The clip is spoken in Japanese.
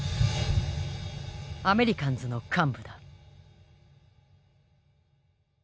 アメリカンズの幹部だ。